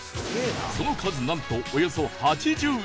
その数なんとおよそ８０人